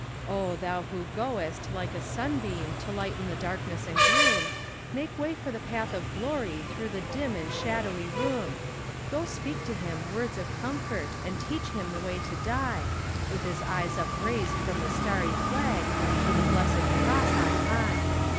Oh, thou who goest, like a sunbeam, to lighten the darkness and gloom, Make way for the path of glory through the dim and shadowy room; Go speak to him words of comfort, and teach him the way to die, With his eyes upraised from the starry flag to the blessed cross on high.